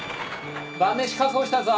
・晩飯確保したぞ。